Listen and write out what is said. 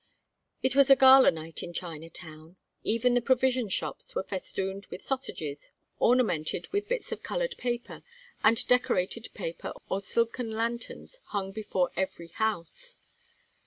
It was a gala night in Chinatown. Even the provision shops were festooned with sausages ornamented with bits of colored paper, and decorated paper or silken lanterns hung before every house.